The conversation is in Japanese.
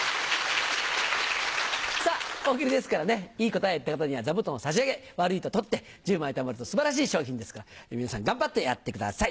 さぁ大喜利ですからねいい答えを言った方には座布団を差し上げ悪いと取って１０枚たまると素晴らしい賞品ですから皆さん頑張ってやってください！